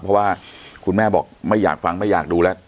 เพราะว่าคุณแม่บอกไม่อยากฟังไม่อยากดูแล้ว